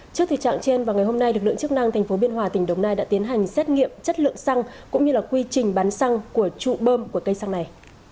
trước thời trạng trên và ngày hôm nay lực lượng chức năng thành phố biên hòa tỉnh đồng nai đã tiến hành xét nghiệm chất lượng xăng cũng như là quy trình bán xăng của trụ bơm của cây xăng này